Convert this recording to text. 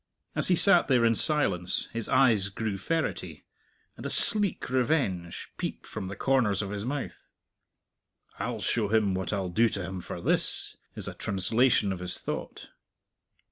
As he sat there in silence, his eyes grew ferrety, and a sleek revenge peeped from the corners of his mouth. "I'll show him what I'll do to him for this!" is a translation of his thought.